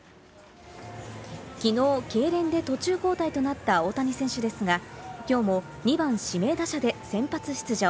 きのう、けいれんで途中交代となった大谷選手ですが、きょうも２番指名打者で先発出場。